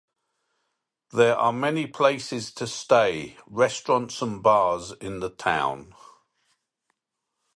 There are many places to stay, restaurants and bars in the town.